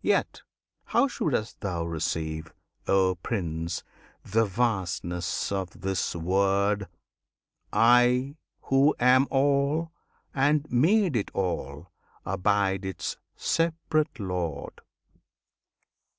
Yet how shouldst thou receive, O Prince! the vastness of this word? I, who am all, and made it all, abide its separate Lord!